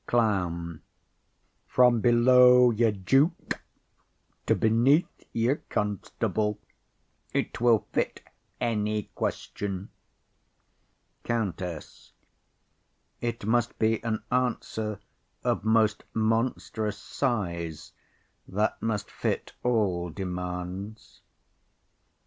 CLOWN. From below your duke to beneath your constable, it will fit any question. COUNTESS. It must be an answer of most monstrous size that must fit all demands.